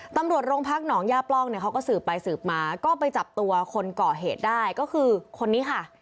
ตำรวจโรงพักหนองย่าปล้องเนี่ยเขาก็สืบไปสืบมาก็ไปจับตัวคนก่อเหตุได้ก็คือคนนี้ค่ะ